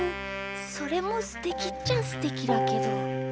それもすてきっちゃすてきだけど。